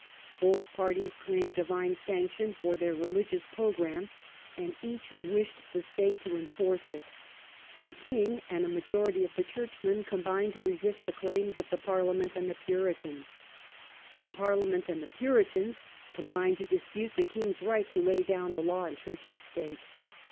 Both parties claimed divine sane sovereignty tion for their religious programme, and each s'* wished the state to enforce it. The king and a majority of the churchmen combined to resist the claims of the Parliament and the Puritans. The Parliament and the Puritans combined to dispute the king's right to lay down the law in church and state.